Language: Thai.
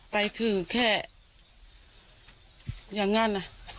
ไปคือแค่อย่างนั้นนะ